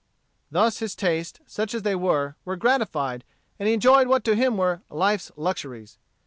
Thus his tastes, such as they were, were gratified, and he enjoyed what to him were life's luxuries.